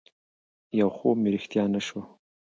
يو خوب مې رښتيا نه شو